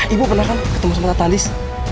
ibu pernah kan ketemu sama katalis